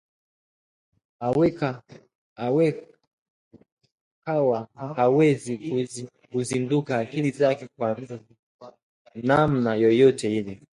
Akawa hawezi kuzimudu akili zake kwa namna yeyote ile